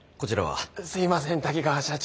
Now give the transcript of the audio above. すいません滝川社長。